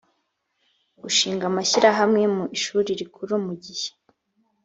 gushinga amashyirahamwe mu ishuri rikuru mu gihe